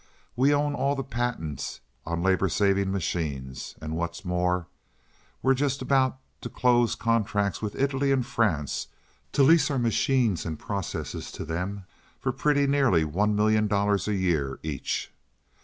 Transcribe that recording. We own all the patents on labor saving machines and, what's more, we're just about to close contracts with Italy and France to lease our machines and processes to them for pretty nearly one million dollars a year each.